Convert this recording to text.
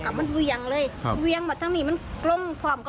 ลมแห้งมาตอนนั้นมีฝนมา